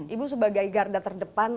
ibu sebagai garda terdepan